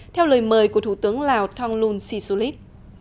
theo lời mời của thủ tướng lào thonglun sisulit